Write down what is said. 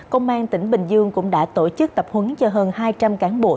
công an tỉnh bình dương cũng đã tổ chức tập huấn cho hơn hai trăm linh cán bộ